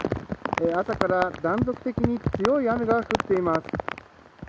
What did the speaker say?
朝から断続的に強い雨が降っています。